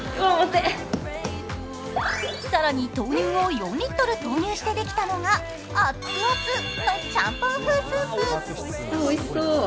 更に豆乳を４リットル投入してできたのが、熱々のちゃんぽん風スープ。